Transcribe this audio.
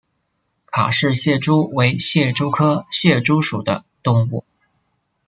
卡氏蟹蛛为蟹蛛科蟹蛛属的动物。